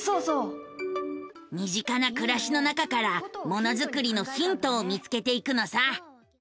身近な暮らしの中からものづくりのヒントを見つけていくのさ。